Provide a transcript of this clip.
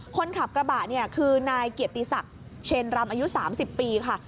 คนขับกระบะเนี่ยคือนายเกียรติศักดิ์เชนรำอายุ๓๐ปีค่ะ